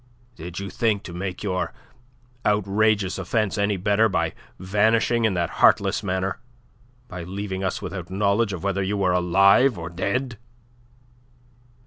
"Did you think to make your outrageous offence any better by vanishing in that heartless manner, by leaving us without knowledge of whether you were alive or dead?"